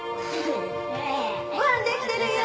ごはんできてるよ！